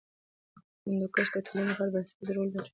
هندوکش د ټولنې لپاره بنسټیز رول لري.